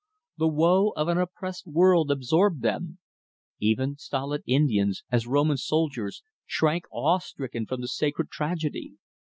The woe of an oppressed world absorbed them. Even the stolid Indians, as Roman soldiers, shrank awe stricken from the sacred tragedy.